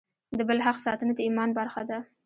د بل حق ساتنه د ایمان برخه ده.